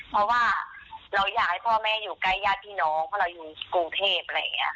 เพราะว่าเราอยากให้พ่อแม่อยู่ใกล้ย่าพี่น้องเพราะเราอยู่กรุงเทพ